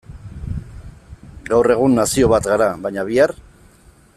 Gaur egun nazio bat gara, baina bihar?